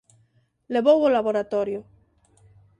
Levou o laboratorio.